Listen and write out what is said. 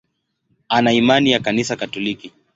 Ana imani ya Kanisa Katoliki.